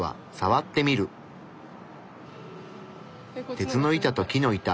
鉄の板と木の板。